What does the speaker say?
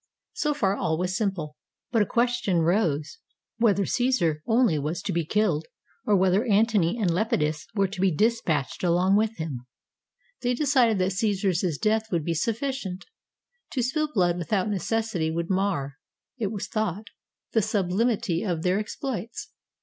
So far all was simple; but a question rose whether Caesar only was to be killed, or whether Antony and Lepidus were to be dispatched along with him. They decided that Caesar's death would be suffi cient. To spill blood without necessity would mar, it was thought, the sublimity of their exploits.